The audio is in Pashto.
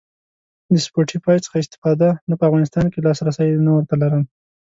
د سپوټیفای څخه استفاده؟ نه په افغانستان کی لاسرسی نه ور ته لرم